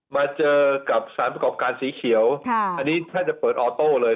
มาเจอกับสารประกอบการสีเขียวอันนี้แทบจะเปิดออโต้เลย